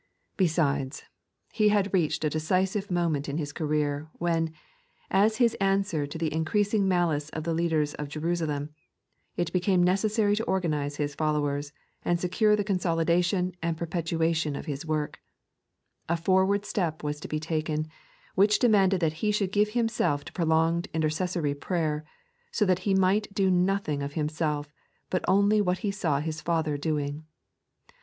Besides, He had reached a decisive moment in His career, when, as His answer to the increas ing malice of the leaders of Judaism, it became necessary to organize His followers, and secure the consoliaation and perpetuation of His work, A forward step was to be t&keu, which demanded that He should give Himself to prolonged intercessory prayer, so that He might do nothing of Himself, but only what He saw His Father doing.